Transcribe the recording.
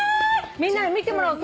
みんなに見てもらおうと思って。